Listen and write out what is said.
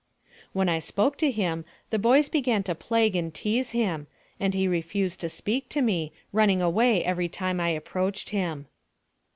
When I spoke to him, the boys began to plague and tease him, and he refused to speak to me, running away every time I approached him.